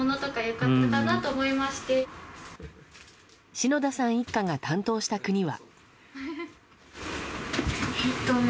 篠田さん一家が担当した国は。